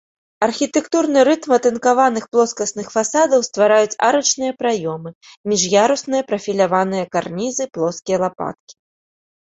Архітэктурны рытм атынкаваных плоскасных фасадаў ствараюць арачныя праёмы, між'ярусныя прафіляваныя карнізы, плоскія лапаткі.